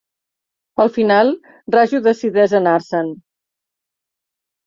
Al final, Raju decideix anar-se'n.